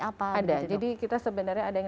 apa ada jadi kita sebenarnya ada yang